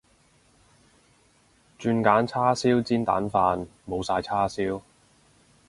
轉揀叉燒煎蛋飯，冇晒叉燒